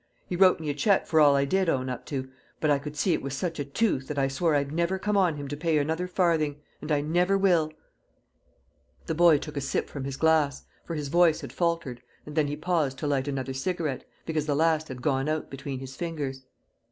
He wrote me a cheque for all I did own up to, but I could see it was such a tooth that I swore I'd never come on him to pay another farthing. And I never will!" The boy took a sip from his glass, for his voice had faltered, and then he paused to light another cigarette, because the last had gone out between his fingers.